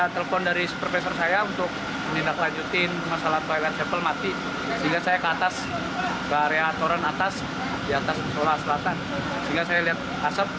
kalau penyebabnya saya belum tahu karena sudah keluar asap